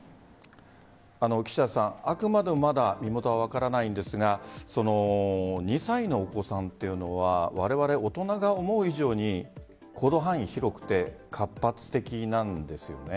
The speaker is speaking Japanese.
岸田さん、あくまでまだ身元は分からないんですが２歳のお子さんというのはわれわれ大人が思う以上に行動範囲が広くて活発的なんですよね。